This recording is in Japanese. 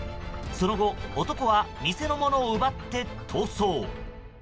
その後男は店のものを奪って逃走。